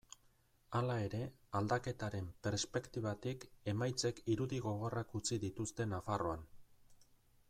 Hala ere, aldaketaren perspektibatik, emaitzek irudi gogorrak utzi dituzte Nafarroan.